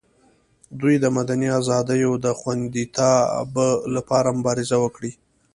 دوی د مدني ازادیو د خوندیتابه لپاره مبارزه وکړي.